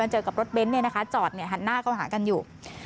มาเจอกับรถเบ้นต์เจอกันหันหน้าก้อหารกันอยู่